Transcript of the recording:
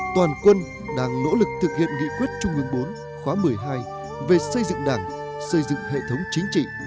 toàn quân đang nỗ lực thực hiện nghị quyết trung ương bốn khóa một mươi hai về xây dựng đảng xây dựng hệ thống chính trị